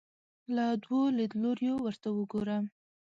له دوو لیدلوریو ورته وګورو